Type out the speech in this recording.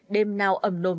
đêm nào ầm nồm